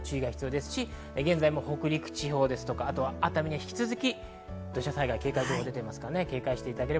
現在も北陸地方とか熱海には引き続き土砂災害警戒情報が出ています。